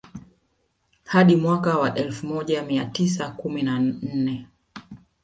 Hadi mwaka wa elfu moja mia tisa kumi na nne